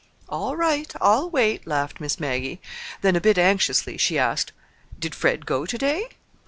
"All right, I'll wait," laughed Miss Maggie. Then, a bit anxiously, she asked: "Did Fred go to day?"